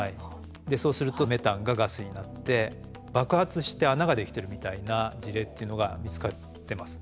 そうするとメタンがガスになって爆発して穴ができてるみたいな事例というのが見つかってます。